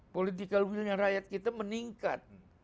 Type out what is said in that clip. politikal umpamanya rakyat kita meningkat